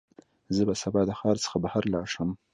زه به سبا د ښار څخه بهر لاړ شم.